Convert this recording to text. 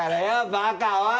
バカおい！